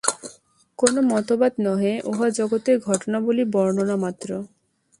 কোন মতবাদ নহে, উহা জগতের ঘটনাবলী বর্ণনামাত্র।